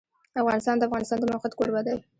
افغانستان د د افغانستان د موقعیت کوربه دی.